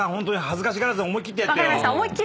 恥ずかしがらず思い切ってやってよ。